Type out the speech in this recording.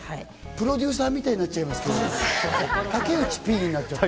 プロデューサーみたいになっちゃいますけど、竹内Ｐになっちゃう。